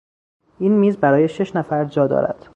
این میز برای شش نفر جا دارد.